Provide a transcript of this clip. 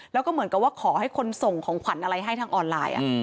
แล้วก็เหมือนกับว่าขอให้คนส่งของขวัญอะไรให้ทางออนไลน์